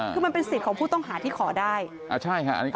คือมันเป็นสิทธิ์ของผู้ต้องหาที่ขอได้อ่าใช่ค่ะอันนี้ก็เป็นสิทธิ์